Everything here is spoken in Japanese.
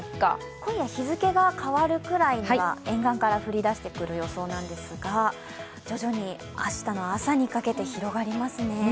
今夜日付が変わるくらいには沿岸から降り出してくる予想なんですが、徐々に明日の朝にかけて広がりますね。